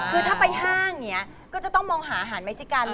คือถ้าไปห้างเนี่ยก็จะต้องมองหาอาหารเม็กซิกัน